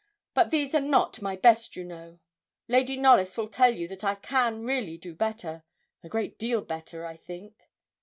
But these are not my best, you know; Lady Knollys will tell you that I can really do better a great deal better, I think.'